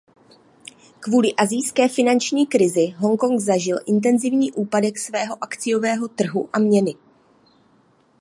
Kvůli Asijské finanční krizi Hongkong zažil intenzivní úpadek svého akciového trhu a měny.